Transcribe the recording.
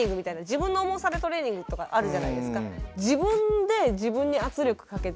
自分の重さでトレーニングとかあるじゃないですか。